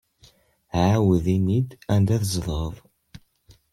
Ɛawed ini-d anda tzedɣeḍ.